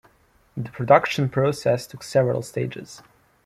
The production process took several stages.